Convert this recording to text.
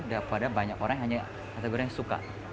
daripada banyak orang yang hanya kategorinya suka